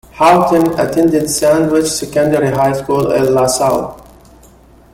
Hawtin attended Sandwich Secondary High School in LaSalle.